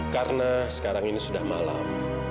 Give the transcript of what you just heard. karena sekarang ini sudah malam